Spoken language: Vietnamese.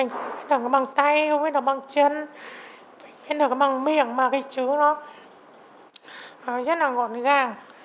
không biết được bằng miệng mà cái chữ nó rất là ngọn gàng